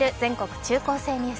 中高生ニュース」。